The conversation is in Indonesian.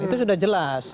itu sudah jelas